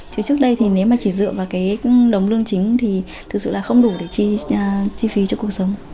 chứ trước đây thì nếu mà chỉ dựa vào cái đồng lương chính thì thực sự là không đủ để chi phí cho cuộc sống